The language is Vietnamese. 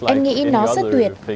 em nghĩ nó rất tuyệt